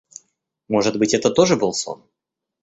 Может быть, это тоже был сон?